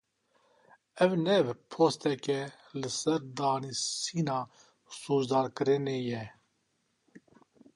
Ev ne posteke li ser danasîna sûcdarkirinê ye.